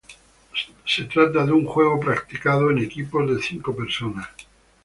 Se trata de un juego practicado en equipos de cinco personas.